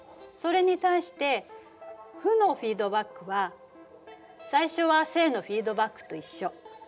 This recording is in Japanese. それに対して負のフィードバックは最初は正のフィードバックと一緒。